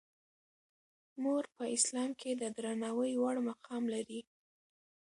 مور په اسلام کې د درناوي وړ مقام لري.